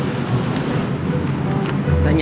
saya boleh tanya